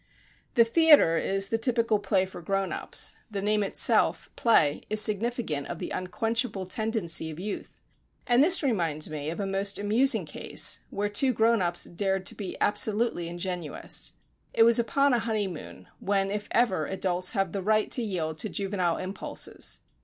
The theater is the typical play for grown ups; the name itself, "play," is significant of the unquenchable tendency of youth. And this reminds me of a most amusing case where two grown ups dared to be absolutely ingenuous. It was upon a honeymoon, when if ever, adults have the right to yield to juvenile impulses.